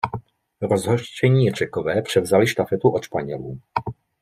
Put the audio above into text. Rozhořčení Řekové převzali štafetu od Španělů.